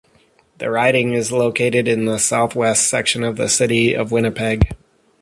The riding is located in the southwest section of the city of Winnipeg.